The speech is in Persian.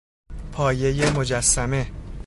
پایهی مجسمه